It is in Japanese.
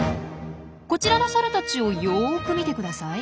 こちらのサルたちをよく見てください。